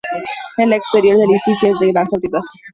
El exterior del edificio es de gran sobriedad.